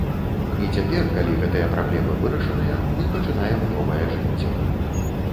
І цяпер, калі гэтыя праблемы вырашаныя, мы пачынаем новае жыццё.